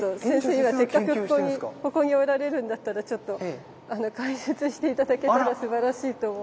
今せっかくここにおられるんだったらちょっと解説して頂けたらすばらしいと思うんですけど。